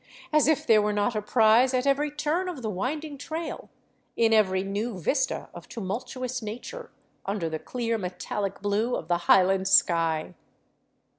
As if there were not a prize at every turn of the winding trail, in every new vista of tumultuous nature under the clear metalic blue of the highland sky